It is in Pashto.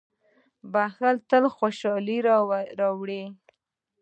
• بښل تل خوشالي راوړي.